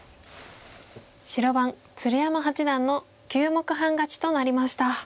白番鶴山八段の９目半勝ちとなりました。